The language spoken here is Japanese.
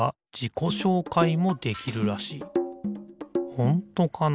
ほんとかな？